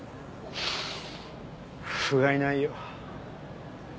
ふがいないよ。